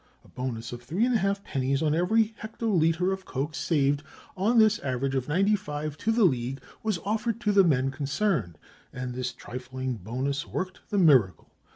A bonus of 3 ½_d._ on every hectolitre of coke saved on this average of ninety five to the league was offered to the men concerned, and this trifling bonus worked the miracle.